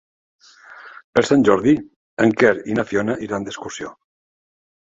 Per Sant Jordi en Quer i na Fiona iran d'excursió.